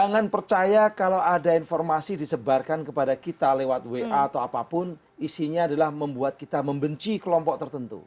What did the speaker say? jangan percaya kalau ada informasi disebarkan kepada kita lewat wa atau apapun isinya adalah membuat kita membenci kelompok tertentu